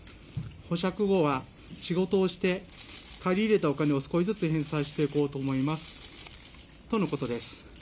保釈後は仕事をして、借り入れたお金を少しずつ返済していこうと思いますとのことです。